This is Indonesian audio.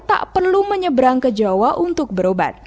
tak perlu menyeberang ke jawa untuk berobat